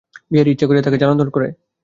বিহারী ইচ্ছা করিয়া তাহাকে জ্বালাতন করে।